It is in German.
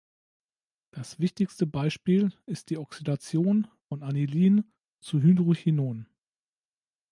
Das wichtigste Beispiel ist die Oxidation von Anilin zu Hydrochinon.